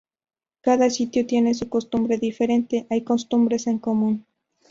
Cada sitio tiene su costumbre diferente, hay costumbres en común.